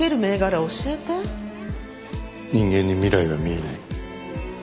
人間に未来は見えない。